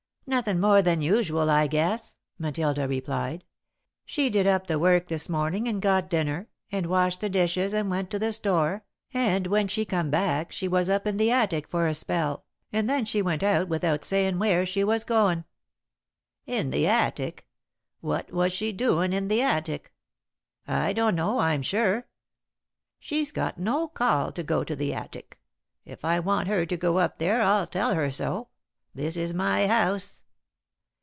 "Nothin' more than usual, I guess," Matilda replied. "She did up the work this morning and got dinner, and washed the dishes and went to the store, and when she come back, she was up in the attic for a spell, and then she went out without sayin' where she was goin'." "In the attic? What was she doin' in the attic?" "I don't know, I'm sure." "She's got no call to go to the attic. If I want her to go up there, I'll tell her so. This is my house."